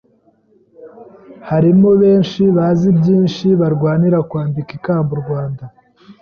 Harimo benshi bazi byinshi Barwanira kwambika ikamba u Rwanda